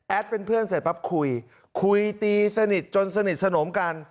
เป็นเพื่อนเสร็จปั๊บคุยคุยตีสนิทจนสนิทสนมกัน